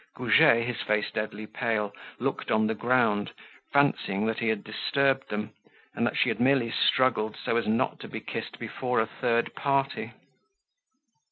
Goujet, his face deadly pale, looked on the ground, fancying that he had disturbed them, and that she had merely struggled so as not to be kissed before a third party.